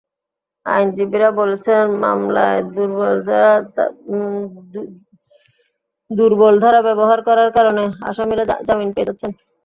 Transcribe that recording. আইনজীবীরা বলছেন, মামলায় দুর্বল ধারা ব্যবহার করার কারণে আসামিরা জামিন পেয়ে যাচ্ছেন।